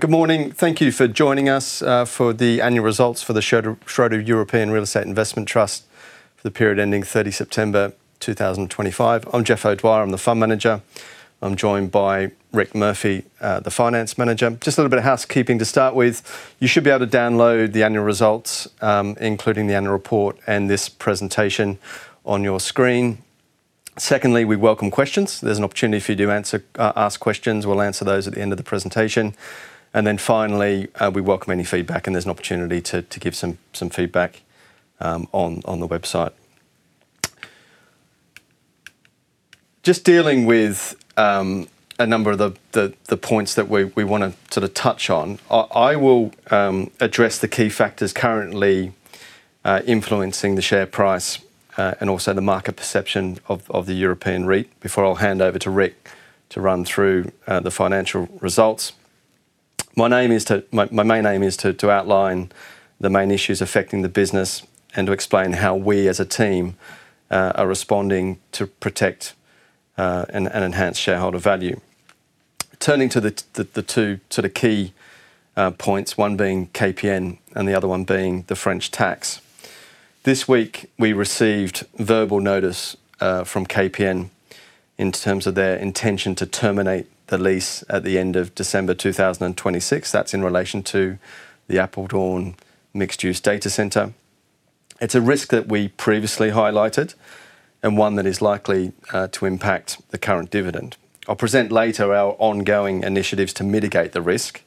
Good morning. Thank you for joining us for the annual results for the Schroder European Real Estate Investment Trust for the period ending 30 September 2025. I'm Jeff O'Dwyer. I'm the Fund Manager. I'm joined by Rick Murphy, the Finance Manager. Just a little bit of housekeeping to start with. You should be able to download the annual results, including the annual report and this presentation, on your screen. Secondly, we welcome questions. There's an opportunity for you to ask questions. We'll answer those at the end of the presentation. And then finally, we welcome any feedback, and there's an opportunity to give some feedback on the website. Just dealing with a number of the points that we want to sort of touch on, I will address the key factors currently influencing the share price and also the market perception of the European REIT before I'll hand over to Rick to run through the financial results. My main aim is to outline the main issues affecting the business and to explain how we as a team are responding to protect and enhance shareholder value. Turning to the two key points, one being KPN and the other one being the French tax. This week, we received verbal notice from KPN in terms of their intention to terminate the lease at the end of December 2026. That's in relation to the Apeldoorn mixed-use data center. It's a risk that we previously highlighted and one that is likely to impact the current dividend. I'll present later our ongoing initiatives to mitigate the risk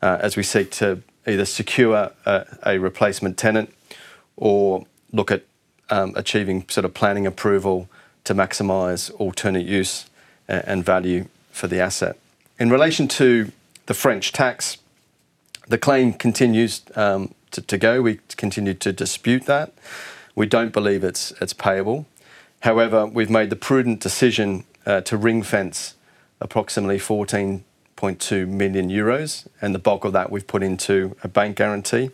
as we seek to either secure a replacement tenant or look at achieving sort of planning approval to maximize alternate use and value for the asset. In relation to the French tax, the claim continues to go. We continue to dispute that. We don't believe it's payable. However, we've made the prudent decision to ring-fence approximately €14.2 million, and the bulk of that we've put into a bank guarantee.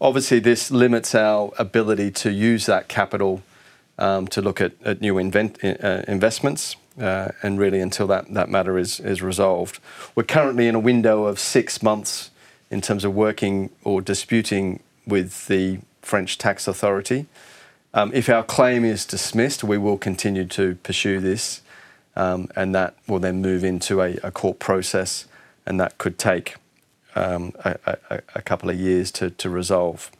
Obviously, this limits our ability to use that capital to look at new investments and really until that matter is resolved. We're currently in a window of six months in terms of working or disputing with the French tax authority. If our claim is dismissed, we will continue to pursue this, and that will then move into a court process, and that could take a couple of years to resolve.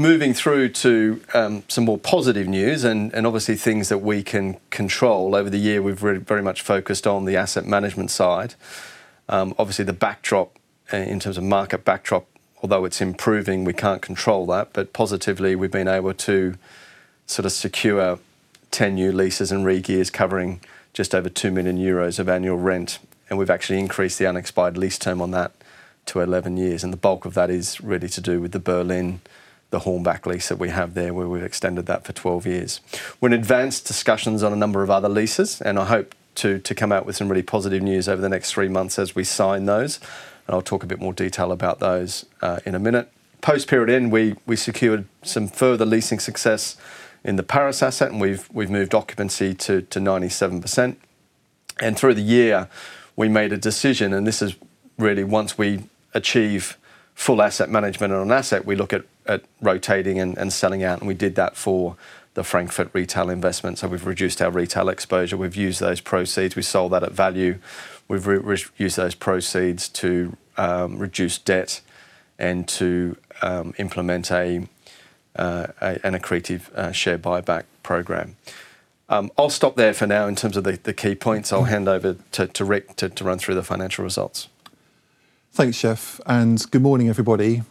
Moving through to some more positive news and obviously things that we can control. Over the year, we've very much focused on the asset management side. Obviously, the backdrop in terms of market backdrop, although it's improving, we can't control that. But positively, we've been able to sort of secure 10 new leases and re-gears covering just over €2 million of annual rent, and we've actually increased the unexpired lease term on that to 11 years. And the bulk of that is really to do with the Berlin, the Hornbach lease that we have there, where we've extended that for 12 years. We're in advanced discussions on a number of other leases, and I hope to come out with some really positive news over the next three months as we sign those. And I'll talk a bit more detail about those in a minute. Post-period end, we secured some further leasing success in the Paris asset, and we've moved occupancy to 97%, and through the year, we made a decision, and this is really once we achieve full asset management on an asset, we look at rotating and selling out, and we did that for the Frankfurt retail investment, so we've reduced our retail exposure. We've used those proceeds. We sold that at value. We've used those proceeds to reduce debt and to implement an accretive share buyback program. I'll stop there for now in terms of the key points. I'll hand over to Rick to run through the financial results. Thanks, Jeff. Good morning, everybody.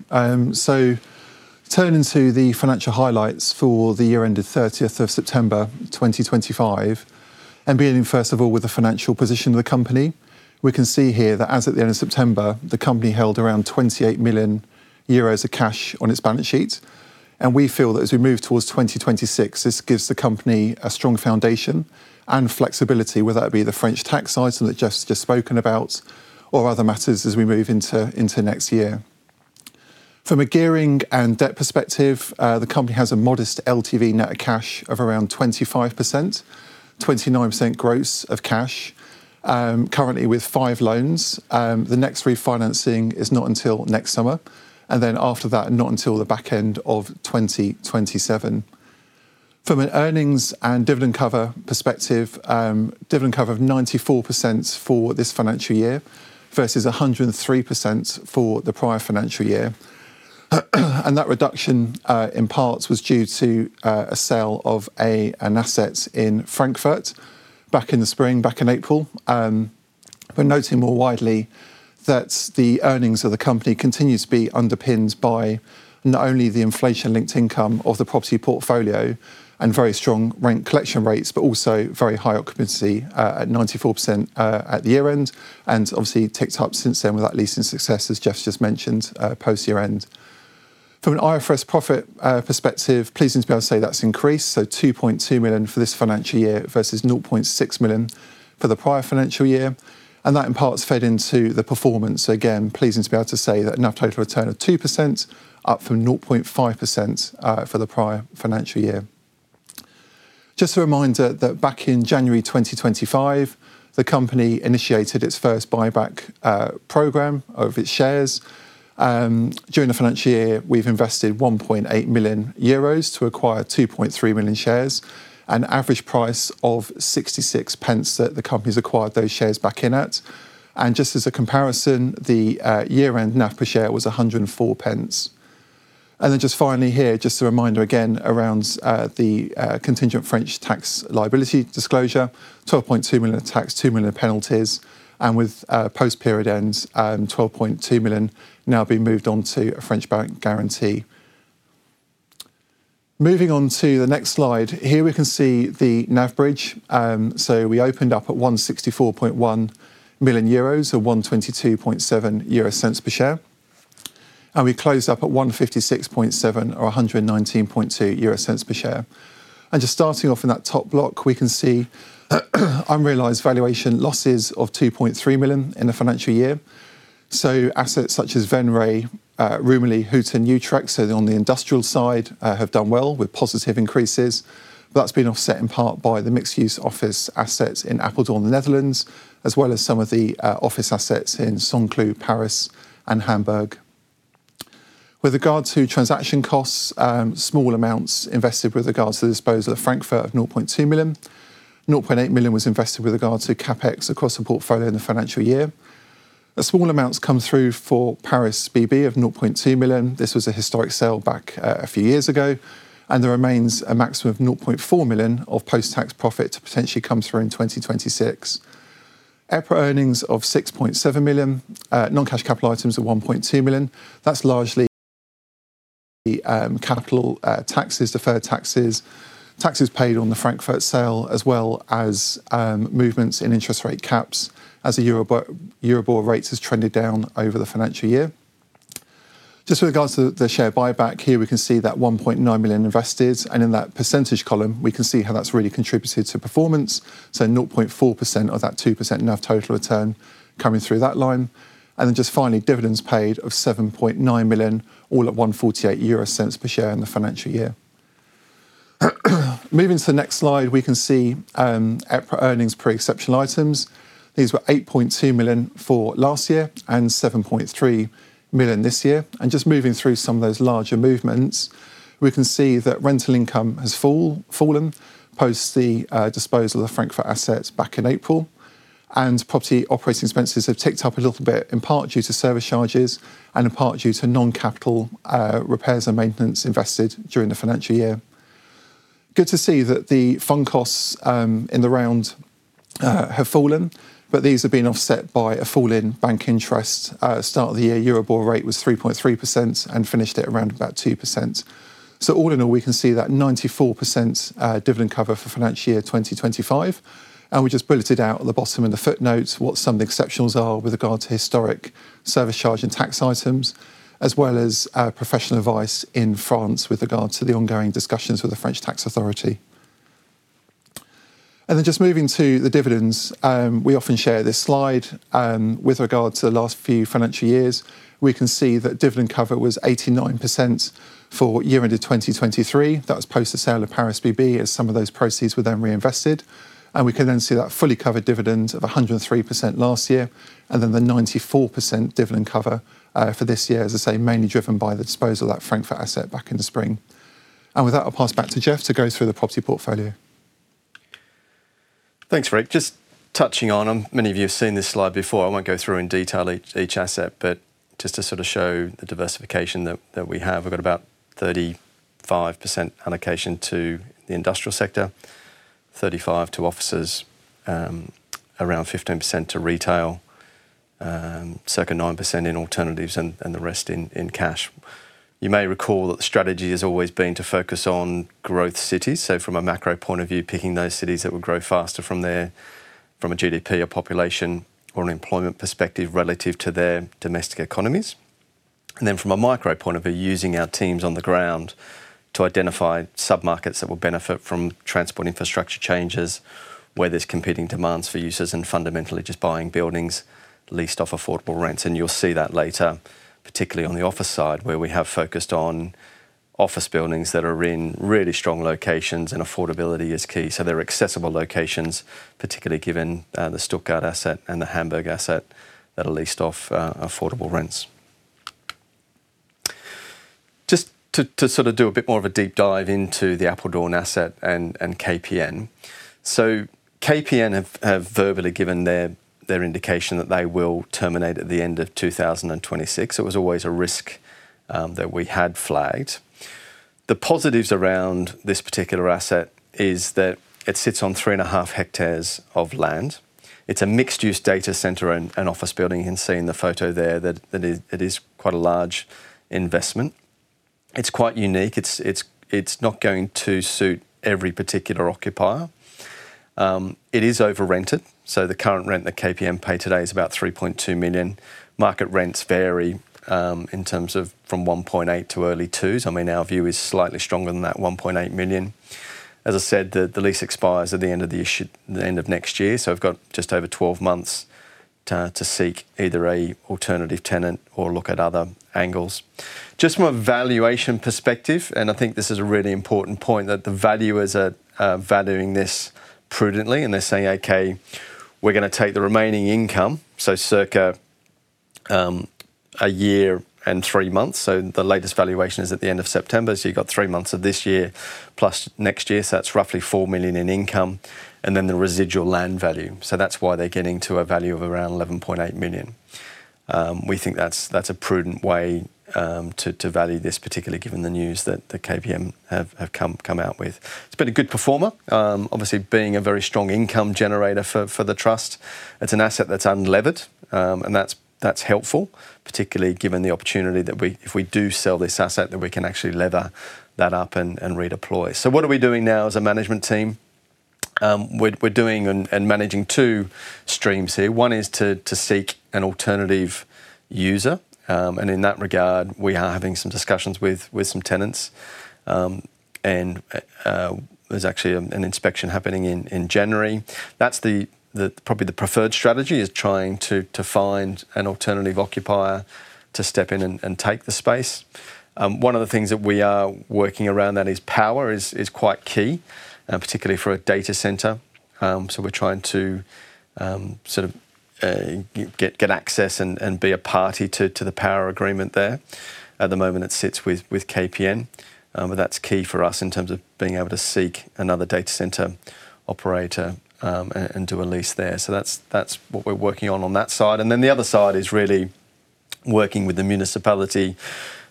Turning to the financial highlights for the year-end of 30 September 2025 and beginning, first of all, with the financial position of the company, we can see here that as at the end of September, the company held around €28 million of cash on its balance sheet. We feel that as we move towards 2026, this gives the company a strong foundation and flexibility, whether that be the French tax item that Jeff's just spoken about or other matters as we move into next year. From a gearing and debt perspective, the company has a modest LTV net of cash of around 25%, 29% gross of cash, currently with five loans. The next refinancing is not until next summer, and then after that, not until the back end of 2027. From an earnings and dividend cover perspective, dividend cover of 94% for this financial year versus 103% for the prior financial year, and that reduction in parts was due to a sale of an asset in Frankfurt back in the spring, back in April. We're noting more widely that the earnings of the company continue to be underpinned by not only the inflation-linked income of the property portfolio and very strong rent collection rates, but also very high occupancy at 94% at the year-end, and obviously, ticked up since then with that leasing success, as Jeff just mentioned, post-year-end. From an IFRS profit perspective, pleasing to be able to say that's increased, so €2.2 million for this financial year versus €0.6 million for the prior financial year, and that in parts fed into the performance. Again, pleasing to be able to say that a net total return of 2%, up from 0.5% for the prior financial year. Just a reminder that back in January 2025, the company initiated its first buyback program of its shares. During the financial year, we've invested €1.8 million to acquire 2.3 million shares, an average price of 0.66 that the company's acquired those shares back in at. And just as a comparison, the year-end NAV per share was 1.04. And then just finally here, just a reminder again around the contingent French tax liability disclosure, €12.2 million tax, €2 million penalties, and with post-period end, €12.2 million now being moved on to a French bank guarantee. Moving on to the next slide, here we can see the NAV bridge. So we opened up at €164.1 million or 122.7 euro cents per share. And we closed up at €156.7 or 119.2 euro cents per share. Just starting off in that top block, we can see unrealized valuation losses of 2.3 million in the financial year. Assets such as Venray, Rumilly, Houten, Utrecht, so on the industrial side, have done well with positive increases. That's been offset in part by the mixed-use office assets in Apeldoorn, the Netherlands, as well as some of the office assets in Saint-Cloud, Paris, and Hamburg. With regard to transaction costs, small amounts invested with regards to the disposal of Frankfurt of 0.2 million. 0.8 million was invested with regards to CapEx across the portfolio in the financial year. Small amounts come through for Paris BB of 0.2 million. This was a historic sale back a few years ago. There remains a maximum of 0.4 million of post-tax profit to potentially come through in 2026. EPRA earnings of 6.7 million, non-cash capital items of 1.2 million. That's largely capital taxes, deferred taxes, taxes paid on the Frankfurt sale, as well as movements in interest rate caps as the Euribor rate has trended down over the financial year. Just with regards to the share buyback, here we can see that €1.9 million invested. And in that percentage column, we can see how that's really contributed to performance. So 0.4% of that 2% NAV total return coming through that line. And then just finally, dividends paid of €7.9 million, all at 148 euro cents per share in the financial year. Moving to the next slide, we can see EPRA earnings pre-exceptional items. These were €8.2 million for last year and €7.3 million this year. And just moving through some of those larger movements, we can see that rental income has fallen post the disposal of Frankfurt assets back in April. Property operating expenses have ticked up a little bit, in part due to service charges and in part due to non-capital repairs and maintenance invested during the financial year. Good to see that the fund costs in the round have fallen, but these have been offset by a fall in bank interest. Start of the year, Euribor rate was 3.3% and finished at around about 2%, so all in all, we can see that 94% dividend cover for financial year 2025. We just bulleted out at the bottom in the footnotes what some of the exceptionals are with regard to historic service charge and tax items, as well as professional advice in France with regard to the ongoing discussions with the French tax authority, then just moving to the dividends, we often share this slide. With regard to the last few financial years, we can see that dividend cover was 89% for year-end of 2023. That was post the sale of Paris BB as some of those proceeds were then reinvested, and we can then see that fully covered dividend of 103% last year and then the 94% dividend cover for this year, as I say, mainly driven by the disposal of that Frankfurt asset back in the spring, and with that, I'll pass back to Jeff to go through the property portfolio. Thanks, Rick. Just touching on, many of you have seen this slide before. I won't go through in detail each asset, but just to sort of show the diversification that we have, we've got about 35% allocation to the industrial sector, 35% to offices, around 15% to retail, circa 9% in alternatives, and the rest in cash. You may recall that the strategy has always been to focus on growth cities. So from a macro point of view, picking those cities that will grow faster from a GDP, a population, or an employment perspective relative to their domestic economies. And then from a micro point of view, using our teams on the ground to identify sub-markets that will benefit from transport infrastructure changes where there's competing demands for users and fundamentally just buying buildings leased off affordable rents. You'll see that later, particularly on the office side, where we have focused on office buildings that are in really strong locations and affordability is key. They're accessible locations, particularly given the Stuttgart asset and the Hamburg asset that are leased off affordable rents. Just to sort of do a bit more of a deep dive into the Apeldoorn asset and KPN. KPN have verbally given their indication that they will terminate at the end of 2026. It was always a risk that we had flagged. The positives around this particular asset is that it sits on three and a half hectares of land. It's a mixed-use data center and office building. You can see in the photo there that it is quite a large investment. It's quite unique. It's not going to suit every particular occupier. It is over-rented. The current rent that KPN pays today is about 3.2 million. Market rents vary in terms of from 1.8 to early 2s. I mean, our view is slightly stronger than that 1.8 million. As I said, the lease expires at the end of this year, the end of next year. We've got just over 12 months to seek either an alternative tenant or look at other angles. Just from a valuation perspective, I think this is a really important point, that the valuer is valuing this prudently. They're saying, "Okay, we're going to take the remaining income," so circa a year and three months. The latest valuation is at the end of September. You've got three months of this year plus next year. That's roughly 4 million in income and then the residual land value. So that's why they're getting to a value of around 11.8 million. We think that's a prudent way to value this, particularly given the news that the KPN have come out with. It's been a good performer, obviously being a very strong income generator for the trust. It's an asset that's unlevered, and that's helpful, particularly given the opportunity that if we do sell this asset, that we can actually lever that up and redeploy. So what are we doing now as a management team? We're doing and managing two streams here. One is to seek an alternative user. And in that regard, we are having some discussions with some tenants. And there's actually an inspection happening in January. That's probably the preferred strategy, is trying to find an alternative occupier to step in and take the space. One of the things that we are working around that is power is quite key, particularly for a data center. So we're trying to sort of get access and be a party to the power agreement there. At the moment, it sits with KPN, but that's key for us in terms of being able to seek another data center operator and do a lease there. So that's what we're working on on that side, and then the other side is really working with the municipality.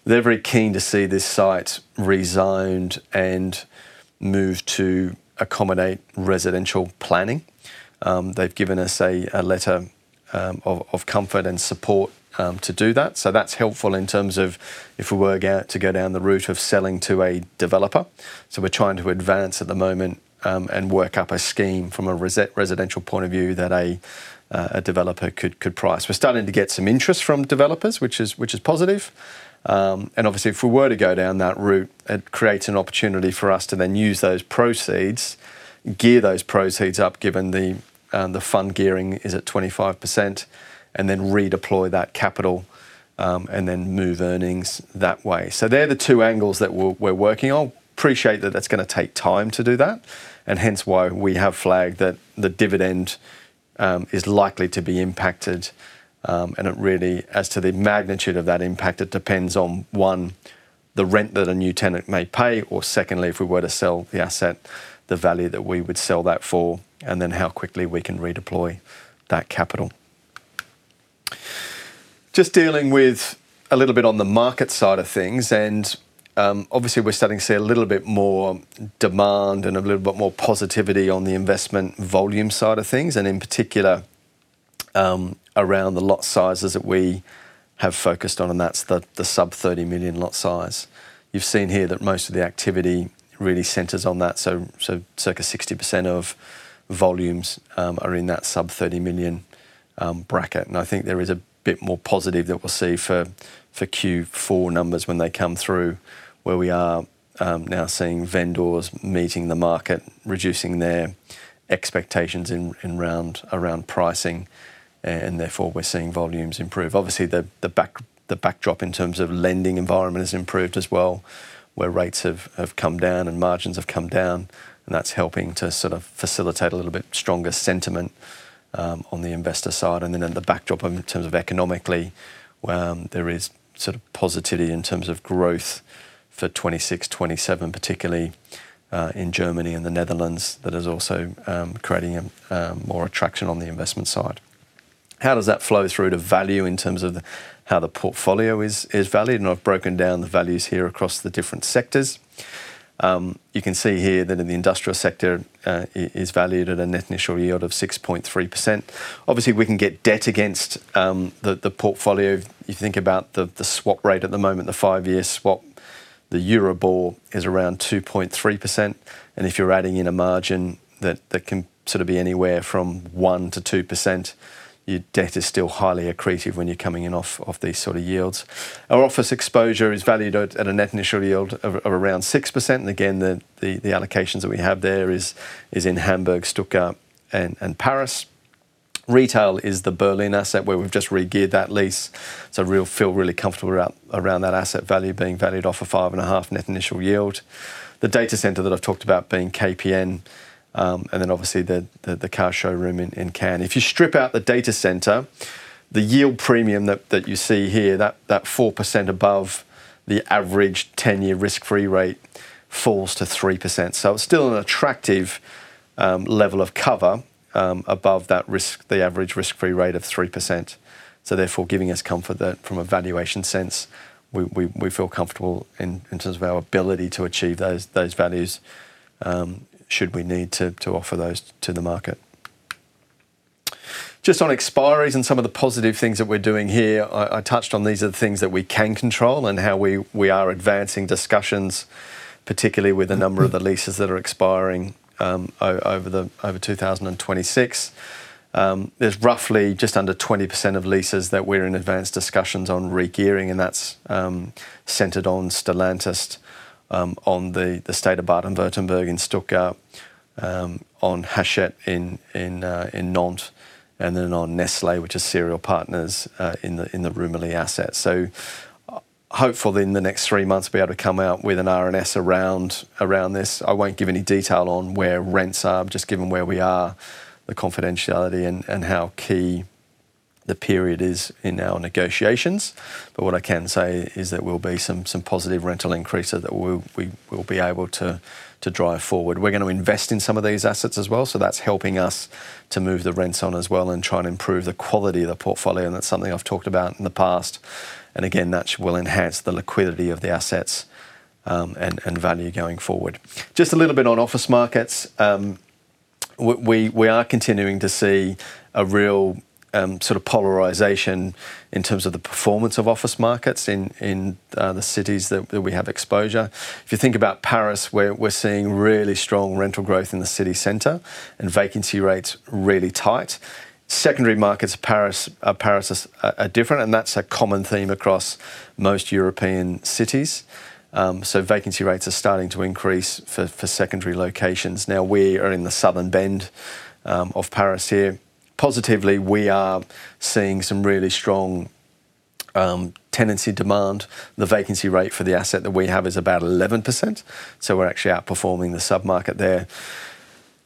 They're very keen to see this site rezoned and moved to accommodate residential planning. They've given us a letter of comfort and support to do that. So that's helpful in terms of if we were to go down the route of selling to a developer. So we're trying to advance at the moment and work up a scheme from a residential point of view that a developer could price. We're starting to get some interest from developers, which is positive. And obviously, if we were to go down that route, it creates an opportunity for us to then use those proceeds, gear those proceeds up, given the fund gearing is at 25%, and then redeploy that capital and then move earnings that way. So they're the two angles that we're working on. Appreciate that that's going to take time to do that, and hence why we have flagged that the dividend is likely to be impacted. Really, as to the magnitude of that impact, it depends on, one, the rent that a new tenant may pay, or secondly, if we were to sell the asset, the value that we would sell that for, and then how quickly we can redeploy that capital. Just dealing with a little bit on the market side of things. Obviously, we're starting to see a little bit more demand and a little bit more positivity on the investment volume side of things, and in particular around the lot sizes that we have focused on, and that's the sub-30 million lot size. You've seen here that most of the activity really centers on that. Circa 60% of volumes are in that sub-30 million bracket. I think there is a bit more positive that we'll see for Q4 numbers when they come through, where we are now seeing vendors meeting the market, reducing their expectations around pricing, and therefore we're seeing volumes improve. Obviously, the backdrop in terms of lending environment has improved as well, where rates have come down and margins have come down. That's helping to sort of facilitate a little bit stronger sentiment on the investor side. Then in the backdrop in terms of economically, there is sort of positivity in terms of growth for 2026, 2027, particularly in Germany and the Netherlands, that is also creating more attraction on the investment side. How does that flow through to value in terms of how the portfolio is valued? I've broken down the values here across the different sectors. You can see here that in the industrial sector, it is valued at a net initial yield of 6.3%. Obviously, we can get debt against the portfolio. If you think about the swap rate at the moment, the five-year swap, the Euribor is around 2.3%, and if you're adding in a margin that can sort of be anywhere from 1% to 2%, your debt is still highly accretive when you're coming in off these sort of yields. Our office exposure is valued at a net initial yield of around 6%, and again, the allocations that we have there are in Hamburg, Stuttgart, and Paris. Retail is the Berlin asset, where we've just re-geared that lease, so feel really comfortable around that asset value being valued off a 5.5% net initial yield. The data center that I've talked about being KPN, and then obviously the car showroom in Cannes. If you strip out the data center, the yield premium that you see here, that 4% above the average 10-year risk-free rate, falls to 3%. So it's still an attractive level of cover above that risk, the average risk-free rate of 3%. So therefore, giving us comfort that from a valuation sense, we feel comfortable in terms of our ability to achieve those values should we need to offer those to the market. Just on expiries and some of the positive things that we're doing here, I touched on these are the things that we can control and how we are advancing discussions, particularly with a number of the leases that are expiring over 2026. There's roughly just under 20% of leases that we're in advanced discussions on re-gearing, and that's centered on Stellantis, on the State of Baden-Württemberg in Stuttgart, on Hachette in Nantes, and then on Nestlé, which is Cereal Partners in the Rumilly asset. So hopefully in the next three months, we'll be able to come out with an RNS around this. I won't give any detail on where rents are, just given where we are, the confidentiality and how key the period is in our negotiations. But what I can say is that we'll be some positive rental increases that we'll be able to drive forward. We're going to invest in some of these assets as well. So that's helping us to move the rents on as well and try and improve the quality of the portfolio. And that's something I've talked about in the past. Again, that will enhance the liquidity of the assets and value going forward. Just a little bit on office markets. We are continuing to see a real sort of polarization in terms of the performance of office markets in the cities that we have exposure. If you think about Paris, we're seeing really strong rental growth in the city center and vacancy rates really tight. Secondary markets of Paris are different, and that's a common theme across most European cities. So vacancy rates are starting to increase for secondary locations. Now, we are in the southern bend of Paris here. Positively, we are seeing some really strong tenancy demand. The vacancy rate for the asset that we have is about 11%. So we're actually outperforming the sub-market there.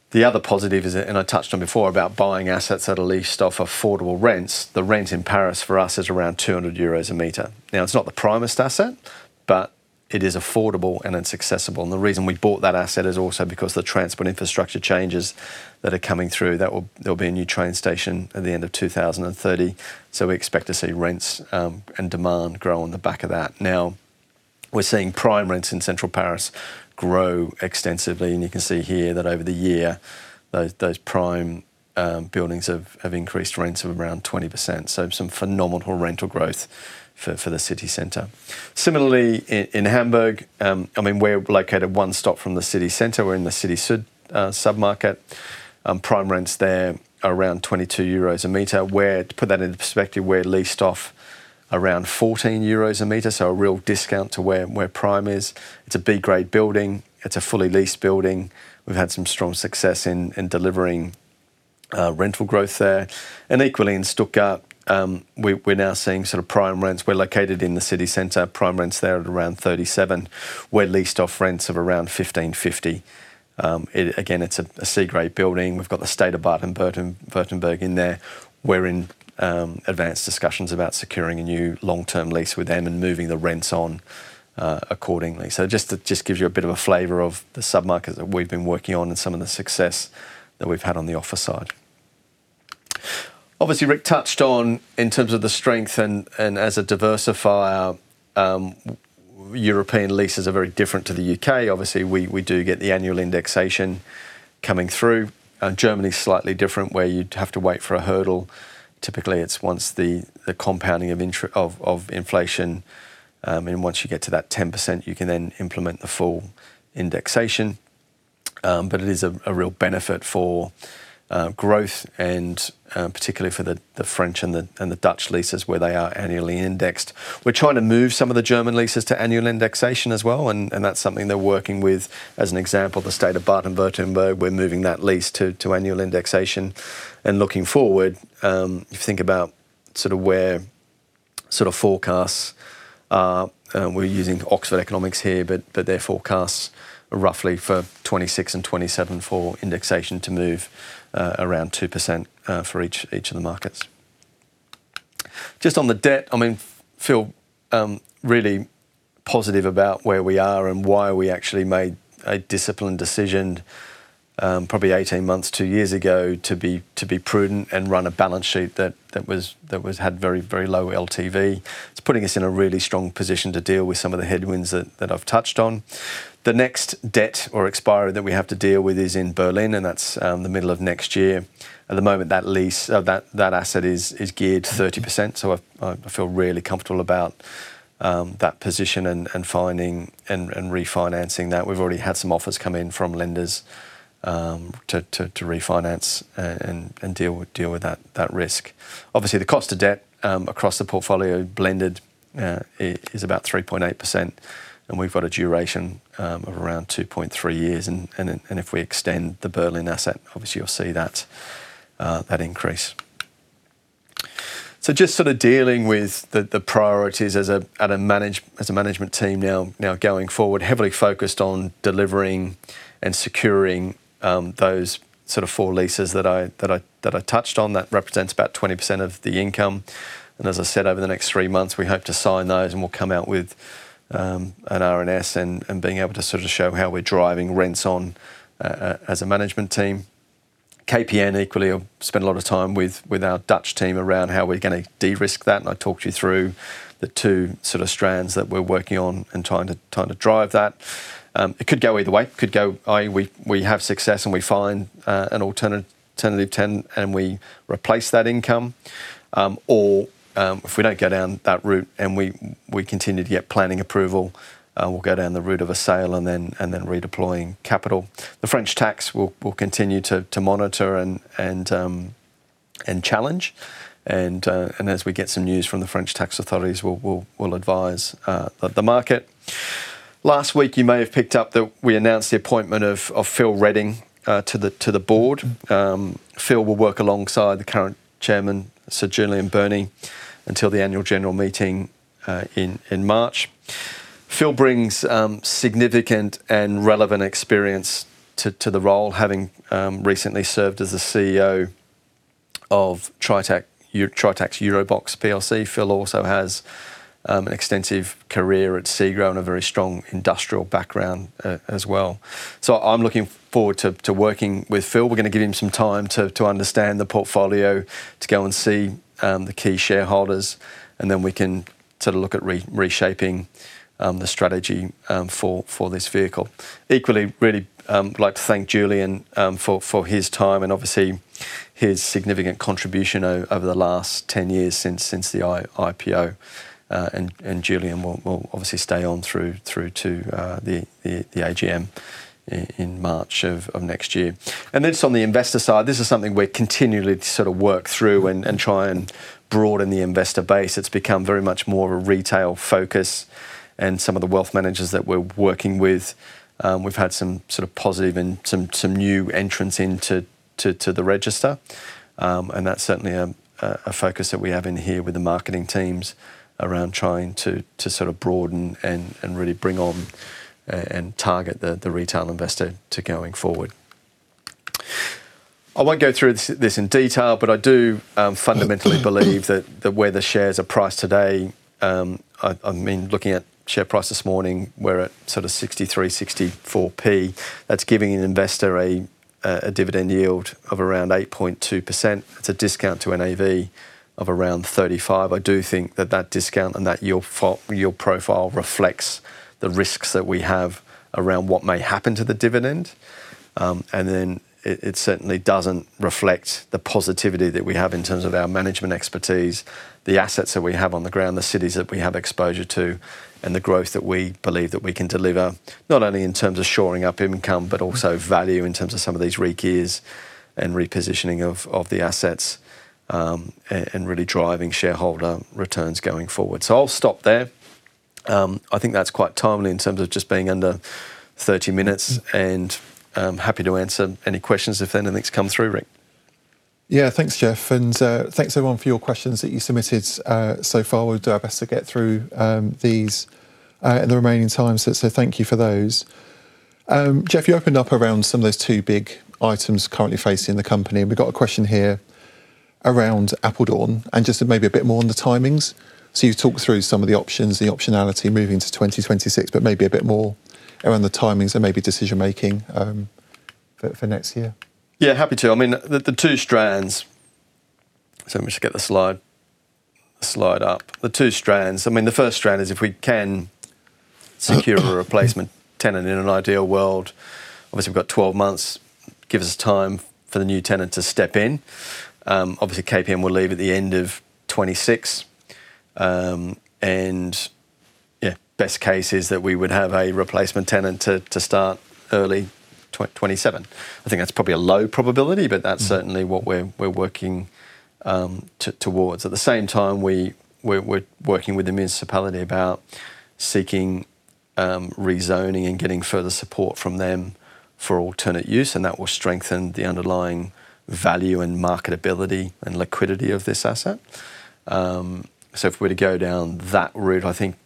The other positive is, and I touched on before about buying assets that are leased off affordable rents. The rent in Paris for us is around €200 a meter. Now, it's not the primest asset, but it is affordable and it's accessible, and the reason we bought that asset is also because of the transport infrastructure changes that are coming through. There will be a new train station at the end of 2030, so we expect to see rents and demand grow on the back of that. Now, we're seeing prime rents in central Paris grow extensively, and you can see here that over the year, those prime buildings have increased rents of around 20%, so some phenomenal rental growth for the city center. Similarly, in Hamburg, I mean, we're located one stop from the city center. We're in the city sub-market. Prime rents there are around €22 a meter. To put that into perspective, we're leased off around €14 a meter. So a real discount to where prime is. It's a B-grade building. It's a fully leased building. We've had some strong success in delivering rental growth there. And equally in Stuttgart, we're now seeing sort of prime rents. We're located in the city center. Prime rents there are around €37. We're leased off rents of around €15.50. Again, it's a C-grade building. We've got the State of Baden-Württemberg in there. We're in advanced discussions about securing a new long-term lease with them and moving the rents on accordingly. So just gives you a bit of a flavor of the sub-markets that we've been working on and some of the success that we've had on the office side. Obviously, Rick touched on in terms of the strength and as a diversifier, European leases are very different to the UK. Obviously, we do get the annual indexation coming through. Germany is slightly different, where you'd have to wait for a hurdle. Typically, it's once the compounding of inflation and once you get to that 10%, you can then implement the full indexation. But it is a real benefit for growth, and particularly for the French and the Dutch leases, where they are annually indexed. We're trying to move some of the German leases to annual indexation as well. And that's something they're working with. As an example, the State of Baden-Württemberg, we're moving that lease to annual indexation and looking forward. If you think about sort of where sort of forecasts, we're using Oxford Economics here, but their forecasts are roughly for 2026 and 2027 for indexation to move around 2% for each of the markets. Just on the debt, I mean, feel really positive about where we are and why we actually made a disciplined decision probably 18 months, two years ago to be prudent and run a balance sheet that had very, very low LTV. It's putting us in a really strong position to deal with some of the headwinds that I've touched on. The next debt or expiry that we have to deal with is in Berlin, and that's the middle of next year. At the moment, that asset is geared to 30%. So I feel really comfortable about that position and finding and refinancing that. We've already had some offers come in from lenders to refinance and deal with that risk. Obviously, the cost of debt across the portfolio blended is about 3.8%, and we've got a duration of around 2.3 years. If we extend the Berlin asset, obviously, you'll see that increase. So just sort of dealing with the priorities as a management team now going forward, heavily focused on delivering and securing those sort of four leases that I touched on that represents about 20% of the income. And as I said, over the next three months, we hope to sign those and we'll come out with an RNS and being able to sort of show how we're driving rents on as a management team. KPN equally, I've spent a lot of time with our Dutch team around how we're going to de-risk that. And I talked you through the two sort of strands that we're working on and trying to drive that. It could go either way. It could go, we have success and we find an alternative tenant and we replace that income. Or if we don't go down that route and we continue to get planning approval, we'll go down the route of a sale and then redeploying capital. The French tax we'll continue to monitor and challenge. And as we get some news from the French tax authorities, we'll advise the market. Last week, you may have picked up that we announced the appointment of Phil Redding to the board. Phil will work alongside the current chairman, Sir Julian Berney, until the annual general meeting in March. Phil brings significant and relevant experience to the role, having recently served as the CEO of Tritax EuroBox plc. Phil also has an extensive career at SEGRO and a very strong industrial background as well. So I'm looking forward to working with Phil. We're going to give him some time to understand the portfolio, to go and see the key shareholders, and then we can sort of look at reshaping the strategy for this vehicle. Equally, really would like to thank Julian for his time and obviously his significant contribution over the last 10 years since the IPO. And Julian will obviously stay on through to the AGM in March of next year. And then on the investor side, this is something we're continually sort of work through and try and broaden the investor base. It's become very much more of a retail focus. And some of the wealth managers that we're working with, we've had some sort of positive and some new entrants into the register. That's certainly a focus that we have in here with the marketing teams around trying to sort of broaden and really bring on and target the retail investor going forward. I won't go through this in detail, but I do fundamentally believe that where the shares are priced today, I mean, looking at share price this morning, we're at sort of 63-64p. That's giving an investor a dividend yield of around 8.2%. It's a discount to NAV of around 35%. I do think that that discount and that yield profile reflects the risks that we have around what may happen to the dividend. Then it certainly doesn't reflect the positivity that we have in terms of our management expertise, the assets that we have on the ground, the cities that we have exposure to, and the growth that we believe that we can deliver, not only in terms of shoring up income, but also value in terms of some of these re-gears and repositioning of the assets and really driving shareholder returns going forward. I'll stop there. I think that's quite timely in terms of just being under 30 minutes and happy to answer any questions if anything's come through, Rick. Yeah, thanks, Jeff. Thanks everyone for your questions that you submitted so far. We'll do our best to get through these in the remaining time. Thank you for those. Jeff, you opened up around some of those two big items currently facing the company. We've got a question here around Apeldoorn and just maybe a bit more on the timings. So you've talked through some of the options, the optionality moving to 2026, but maybe a bit more around the timings and maybe decision-making for next year. Yeah, happy to. I mean, the two strands, so we should get the slide up. The two strands, I mean, the first strand is if we can secure a replacement tenant in an ideal world, obviously we've got 12 months, gives us time for the new tenant to step in. Obviously, KPN will leave at the end of 2026. And yeah, best case is that we would have a replacement tenant to start early 2027. I think that's probably a low probability, but that's certainly what we're working towards. At the same time, we're working with the municipality about seeking rezoning and getting further support from them for alternate use, and that will strengthen the underlying value and marketability and liquidity of this asset. So if we were to go down that route, I think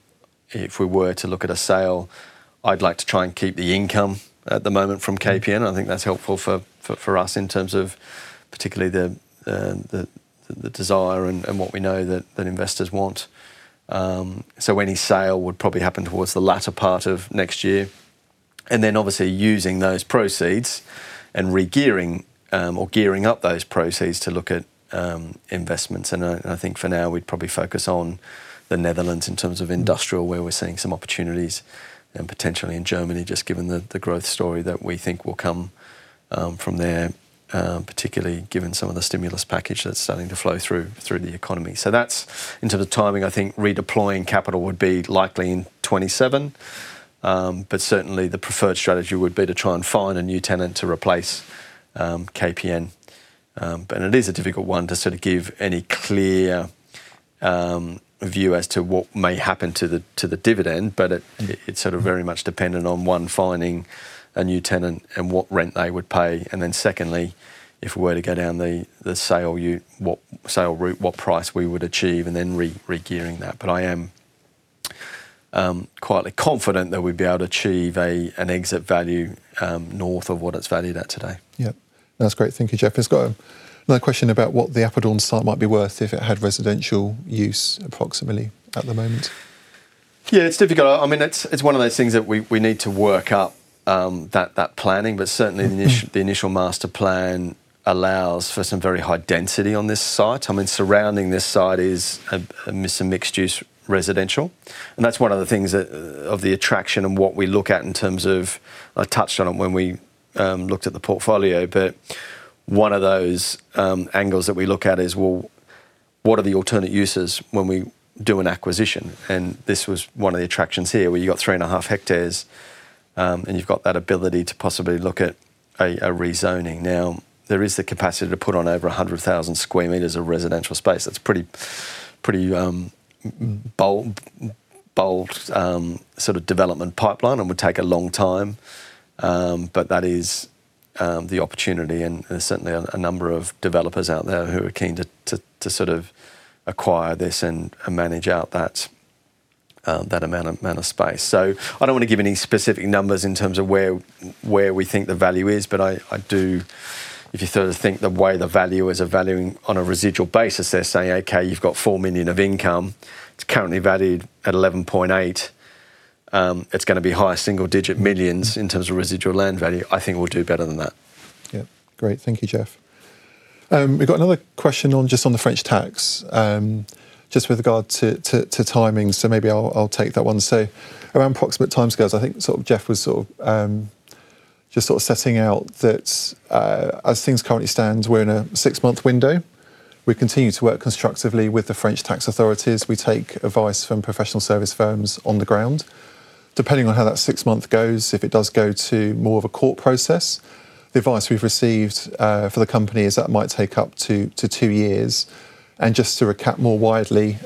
if we were to look at a sale, I'd like to try and keep the income at the moment from KPN. I think that's helpful for us in terms of particularly the desire and what we know that investors want, so any sale would probably happen towards the latter part of next year, and then obviously using those proceeds and re-gearing or gearing up those proceeds to look at investments. And I think for now, we'd probably focus on the Netherlands in terms of industrial, where we're seeing some opportunities and potentially in Germany, just given the growth story that we think will come from there, particularly given some of the stimulus package that's starting to flow through the economy. So that's in terms of timing. I think redeploying capital would be likely in 2027. But certainly, the preferred strategy would be to try and find a new tenant to replace KPN. But it is a difficult one to sort of give any clear view as to what may happen to the dividend, but it's sort of very much dependent on one, finding a new tenant and what rent they would pay. And then secondly, if we were to go down the sale route, what price we would achieve and then re-gearing that. But I am quietly confident that we'd be able to achieve an exit value north of what it's valued at today. Yeah, that's great. Thank you, Jeff. There's another question about what the Apeldoorn site might be worth if it had residential use approximately at the moment. Yeah, it's difficult. I mean, it's one of those things that we need to work up, that planning. But certainly, the initial master plan allows for some very high density on this site. I mean, surrounding this site is a mixed-use residential. And that's one of the things of the attraction and what we look at in terms of I touched on it when we looked at the portfolio. But one of those angles that we look at is, well, what are the alternate uses when we do an acquisition? This was one of the attractions here where you've got three and a half hectares and you've got that ability to possibly look at a rezoning. Now, there is the capacity to put on over 100,000 square meters of residential space. That's a pretty bold sort of development pipeline and would take a long time. But that is the opportunity. There's certainly a number of developers out there who are keen to sort of acquire this and manage out that amount of space. So I don't want to give any specific numbers in terms of where we think the value is. But I do, if you sort of think the way the value is evaluating on a residual basis, they're saying, okay, you've got 4 million of income. It's currently valued at €11.8 million. It's going to be high single-digit millions in terms of residual land value. I think we'll do better than that. Yeah, great. Thank you, Jeff. We've got another question on just on the French tax, just with regard to timing. So maybe I'll take that one. So around approximate timescales, I think sort of Jeff was sort of just sort of setting out that as things currently stand, we're in a six-month window. We continue to work constructively with the French tax authorities. We take advice from professional service firms on the ground. Depending on how that six-month goes, if it does go to more of a court process, the advice we've received for the company is that might take up to two years. And just to recap more widely,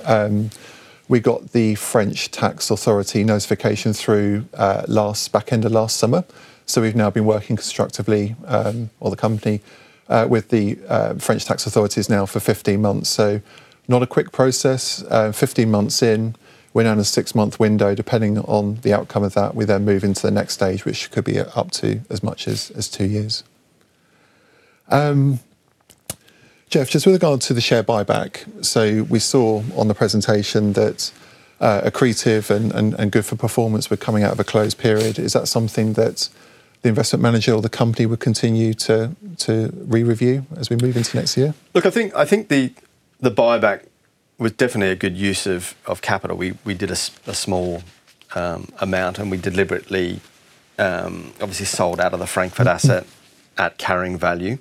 we got the French tax authority notification through back end of last summer. So we've now been working constructively, or the company, with the French tax authorities now for 15 months. So not a quick process. 15 months in, we're now in a six-month window. Depending on the outcome of that, we then move into the next stage, which could be up to as much as two years. Jeff, just with regard to the share buyback, so we saw on the presentation that accretive and good for performance were coming out of a closed period. Is that something that the investment manager or the company would continue to re-review as we move into next year? Look, I think the buyback was definitely a good use of capital. We did a small amount and we deliberately, obviously, sold out of the Frankfurt asset at carrying value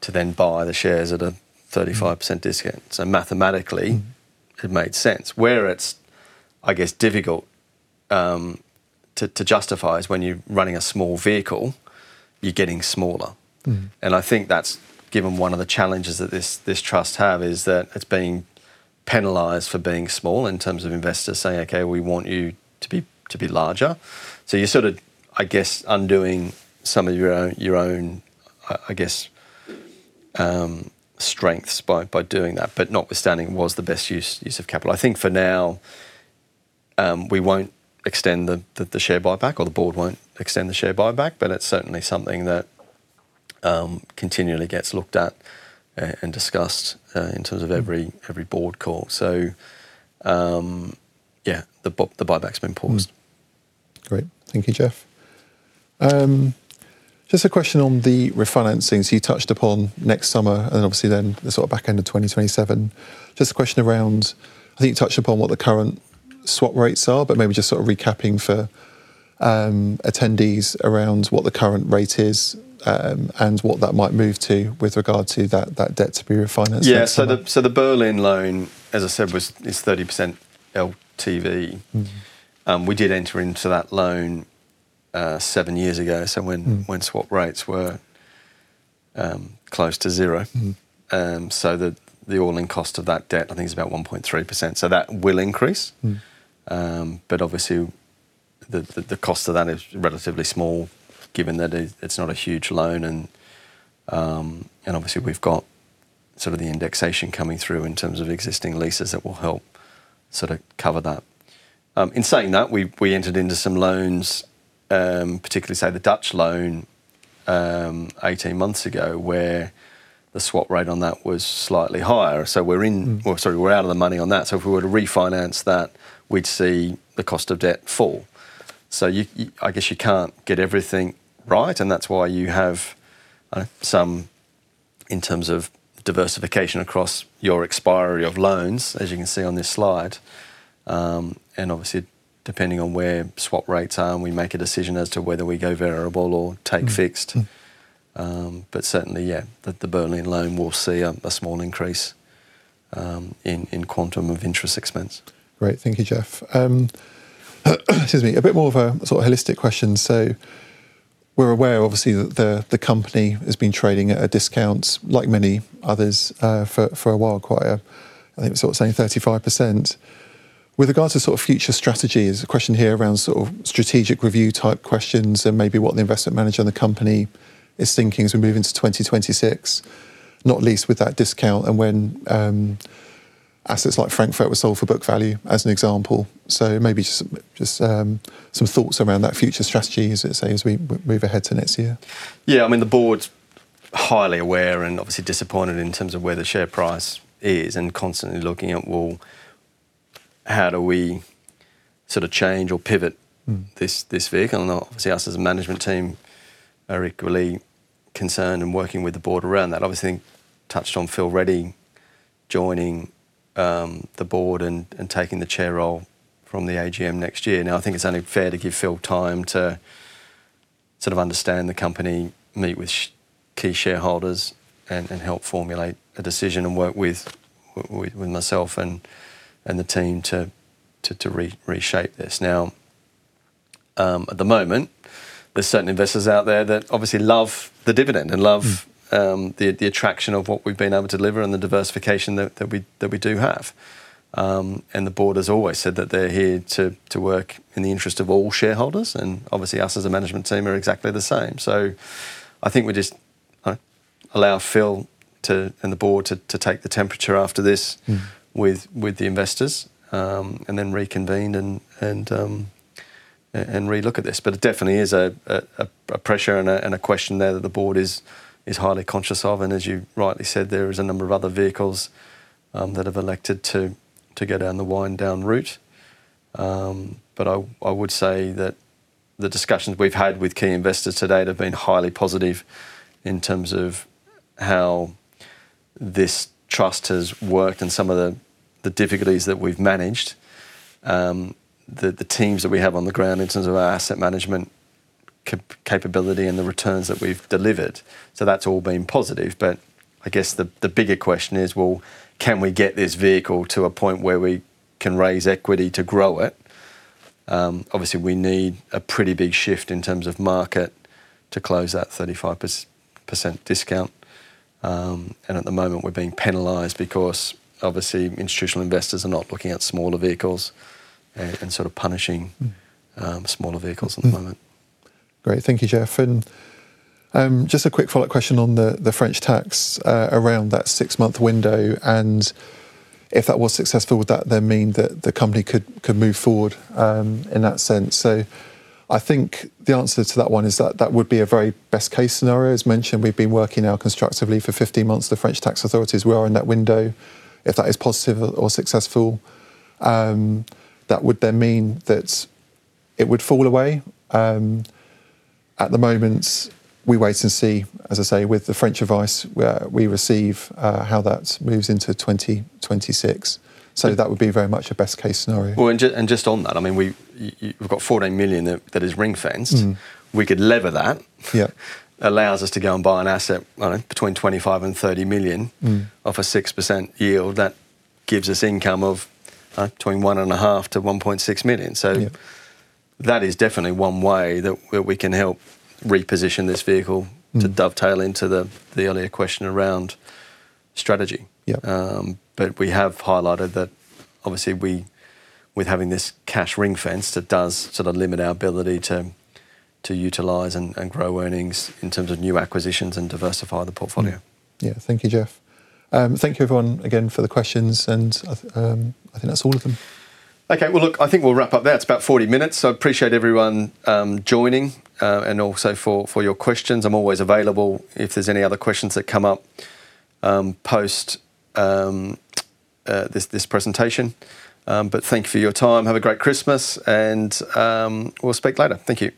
to then buy the shares at a 35% discount. So mathematically, it made sense. Where it's, I guess, difficult to justify is when you're running a small vehicle, you're getting smaller. I think that's given one of the challenges that this trust has is that it's being penalized for being small in terms of investors saying, okay, we want you to be larger. So you're sort of, I guess, undoing some of your own, I guess, strengths by doing that, but notwithstanding, it was the best use of capital. I think for now, we won't extend the share buyback or the board won't extend the share buyback, but it's certainly something that continually gets looked at and discussed in terms of every board call. So yeah, the buyback's been paused. Great. Thank you, Jeff. Just a question on the refinancing. You touched upon next summer and then obviously then the sort of back end of 2027. Just a question around. I think you touched upon what the current swap rates are, but maybe just sort of recapping for attendees around what the current rate is and what that might move to with regard to that debt to be refinanced. Yeah, so the Berlin loan, as I said, is 30% LTV. We did enter into that loan seven years ago, so when swap rates were close to zero. So the all-in cost of that debt, I think, is about 1.3%. So that will increase. But obviously, the cost of that is relatively small given that it's not a huge loan. And obviously, we've got sort of the indexation coming through in terms of existing leases that will help sort of cover that. In saying that, we entered into some loans, particularly say the Dutch loan 18 months ago where the swap rate on that was slightly higher. So we're in, well, sorry, we're out of the money on that. So if we were to refinance that, we'd see the cost of debt fall. So I guess you can't get everything right. And that's why you have some in terms of diversification across your expiry of loans, as you can see on this slide. And obviously, depending on where swap rates are, we make a decision as to whether we go variable or take fixed. But certainly, yeah, the Berlin loan will see a small increase in quantum of interest expense. Great. Thank you, Jeff. Excuse me, a bit more of a sort of holistic question. So we're aware, obviously, that the company has been trading at a discount like many others for a while, quite a, I think we're sort of saying 35%.With regard to sort of future strategies, a question here around sort of strategic review type questions and maybe what the investment manager and the company is thinking as we move into 2026, not least with that discount and when assets like Frankfurt were sold for book value as an example, so maybe just some thoughts around that future strategy as we move ahead to next year. Yeah, I mean, the board's highly aware and obviously disappointed in terms of where the share price is and constantly looking at, well, how do we sort of change or pivot this vehicle, and obviously, us as a management team are equally concerned and working with the board around that. Obviously, touched on Phil Redding joining the board and taking the chair role from the AGM next year. Now, I think it's only fair to give Phil time to sort of understand the company, meet with key shareholders and help formulate a decision and work with myself and the team to reshape this. Now, at the moment, there's certain investors out there that obviously love the dividend and love the attraction of what we've been able to deliver and the diversification that we do have. And the board has always said that they're here to work in the interest of all shareholders. And obviously, us as a management team are exactly the same. So I think we just allow Phil and the board to take the temperature after this with the investors and then reconvene and relook at this. But it definitely is a pressure and a question there that the board is highly conscious of. As you rightly said, there is a number of other vehicles that have elected to go down the wind-down route. But I would say that the discussions we've had with key investors today have been highly positive in terms of how this trust has worked and some of the difficulties that we've managed, the teams that we have on the ground in terms of our asset management capability and the returns that we've delivered. So that's all been positive. But I guess the bigger question is, well, can we get this vehicle to a point where we can raise equity to grow it? Obviously, we need a pretty big shift in terms of market to close that 35% discount. And at the moment, we're being penalized because obviously, institutional investors are not looking at smaller vehicles and sort of punishing smaller vehicles at the moment. Great. Thank you, Jeff, and just a quick follow-up question on the French tax around that six-month window, and if that was successful, would that then mean that the company could move forward in that sense? So I think the answer to that one is that that would be a very best case scenario. As mentioned, we've been working out constructively for 15 months. The French tax authorities were in that window. If that is positive or successful, that would then mean that it would fall away. At the moment, we wait and see, as I say, with the French advice we receive how that moves into 2026. So that would be very much a best case scenario. Well, and just on that, I mean, we've got 14 million that is ring-fenced. We could lever that. It allows us to go and buy an asset between 25 million-30 million off a 6% yield. That gives us income of between €1.5 to 1.6 million. So that is definitely one way that we can help reposition this vehicle to dovetail into the earlier question around strategy, but we have highlighted that obviously, with having this cash ring-fenced, it does sort of limit our ability to utilize and grow earnings in terms of new acquisitions and diversify the portfolio. Yeah, thank you, Jeff. Thank you, everyone, again for the questions, and I think that's all of them. Okay, well, look, I think we'll wrap up there. It's about 40 minutes. So I appreciate everyone joining and also for your questions. I'm always available if there's any other questions that come up post this presentation. But thank you for your time. Have a great Christmas and we'll speak later. Thank you.